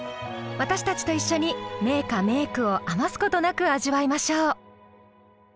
私たちと一緒に名歌・名句を余すことなく味わいましょう。